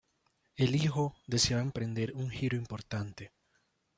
El hijo deseaba emprender un giro importante.